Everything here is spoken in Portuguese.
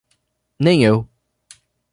Nem eu